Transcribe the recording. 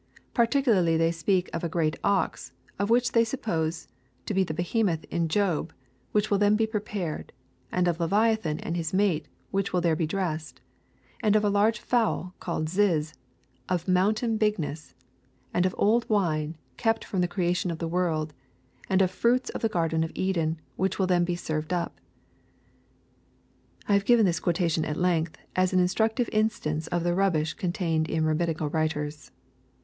Particu* irly they speak of a great ox, which they suppose to be th3 be hemoth in Job, which will then be prepared ;— ^and of Leviathan, and his mate, which will there be dressed ;— and of a large fowl, called Ziz, of mountain bigness ;— and of old wine, kept from the creation of the world j — ^and of fruits of the garden of Eden, which will then be served up." I have given this quotation at length, as an instructive instance of the rubbish contained in Rabbiaical writers.